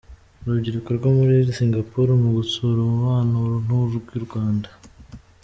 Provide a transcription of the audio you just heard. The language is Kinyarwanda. Urubyiruko rwo muri Singapore mu gutsura umubano n’urw’i Rwanda